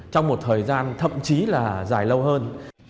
trong một thời gian thậm chí là dài lâu hơn